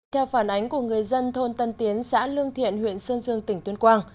theo phản ánh của người dân thôn tân tiến xã lương thiện huyện sơn dương tỉnh tuyên quang